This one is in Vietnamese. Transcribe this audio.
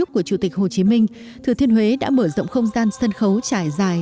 của chủ tịch hồ chí minh thừa thiên huế đã mở rộng không gian sân khấu trải dài